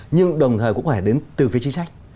nhưng đồng thời cũng phải đến từ phía chính sách